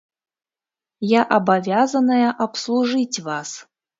Я абавязаная абслужыць вас.